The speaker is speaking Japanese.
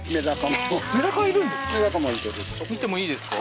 メダカいるんですか？